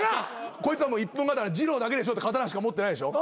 こいつはもう一本刀じろうだけでしょって刀しか持ってないでしょ。